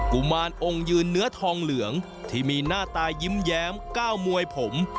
กุมารองค์ยืนเนื้อทองเหลืองที่มีหน้าตายิ้มแย้มก้าวมวยผม